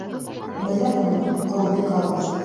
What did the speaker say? Беләһеңме... был бик алыҫ.